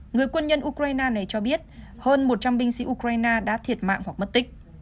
người quân nhân ukraine này cho biết hơn một trăm linh binh sĩ ukraine đã thiệt mạng hoặc mất tích